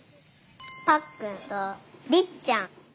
ぱっくんとりっちゃん。